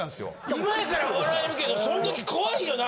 今やから笑えるけどその時怖いよな？